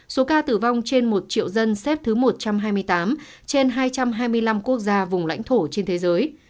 số ca tử vong trên một triệu dân xếp thứ một trăm hai mươi tám trên hai trăm hai mươi năm quốc gia vùng lãnh thổ trên thế giới